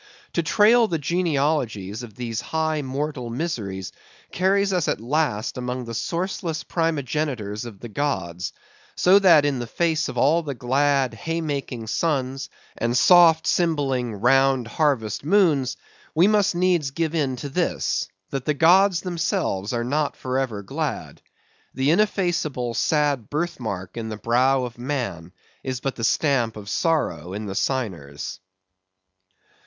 To trail the genealogies of these high mortal miseries, carries us at last among the sourceless primogenitures of the gods; so that, in the face of all the glad, hay making suns, and soft cymballing, round harvest moons, we must needs give in to this: that the gods themselves are not for ever glad. The ineffaceable, sad birth mark in the brow of man, is but the stamp of sorrow in the signers.